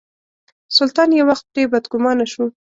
سلطان یو وخت پرې بدګومانه شو.